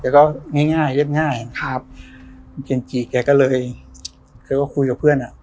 ก็ง่ายง่ายเรียบง่ายครับคุณเจนจีแกก็เลยคือก็คุยกับเพื่อนอ่ะ